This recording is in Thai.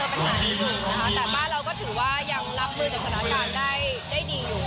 แต่บ้านเราก็ถือว่ายังรับมือจากสถานการณ์ได้ดีอยู่